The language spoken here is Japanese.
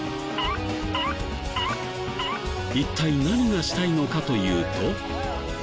一体何がしたいのかというと。